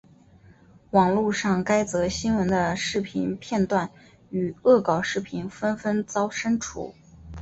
网路上该则新闻的视频片段与恶搞视频纷纷遭删除。